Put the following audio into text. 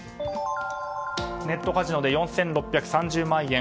ネットカジノで４６３０万円。